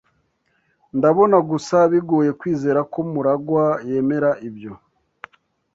Ndabona gusa bigoye kwizera ko MuragwA yemera ibyo.